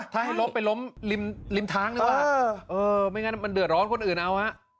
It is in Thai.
ถ้าล้มไปล้มริมทางดีกว่าไม่งั้นเดือดร้อนคนอื่นเอา